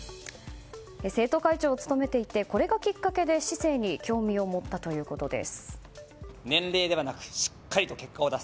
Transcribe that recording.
生徒会長を務めていてこれがきっかけで市政に興味を持ったということです。